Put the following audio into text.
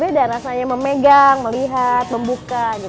beda rasanya memegang melihat membuka